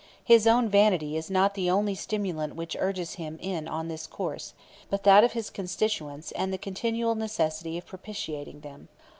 His own vanity is not the only stimulant which urges him on in this course, but that of his constituents, and the continual necessity of propitiating them.